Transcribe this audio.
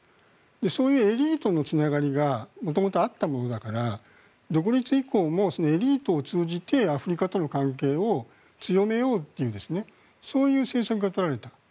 そういうエリートのつながりが元々あったものだから独立以降もエリートを通じてアフリカとの関係を強めようというそういう政策が取られた。